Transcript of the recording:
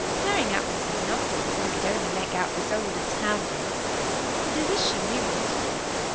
Paring apples is nothing, if I could only make out this old Italian. I wish you knew it."